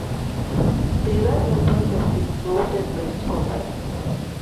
They were members of the Mountain West Conference.